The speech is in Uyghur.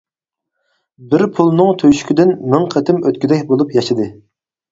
بىر پۇلنىڭ تۆشۈكىدىن مىڭ قېتىم ئۆتكۈدەك بولۇپ ياشىدى.